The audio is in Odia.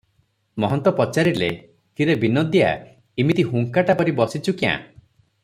ମହନ୍ତ ପଚାରିଲେ, "କି ରେ ବିନୋଦିଆ, ଇମିତି ହୁଙ୍କାଟା ପରି ବସିଛୁ କ୍ୟାଁ?